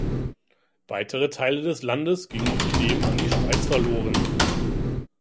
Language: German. Weitere Teile des Landes gingen zudem an die Schweiz verloren.